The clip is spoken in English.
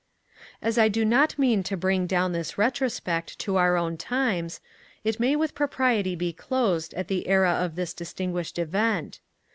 As I do not mean to bring down this retrospect to our own times, it may with propriety be closed at the era of this distinguished event.